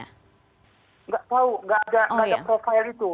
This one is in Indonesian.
tidak tahu nggak ada profil itu